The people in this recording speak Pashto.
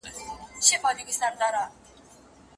پایلې د طبي تګلارې بدلون ښيي.